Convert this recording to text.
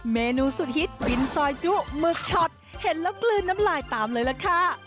เมนูสุดฮิตปินซอยจุหมึกช็อตเห็นแล้วกลืนน้ำลายตามเลยล่ะค่ะ